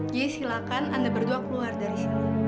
ji silakan anda berdua keluar dari sini